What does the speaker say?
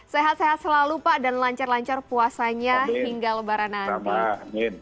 sehat sehat selalu pak dan lancar lancar puasanya hingga lebaran nanti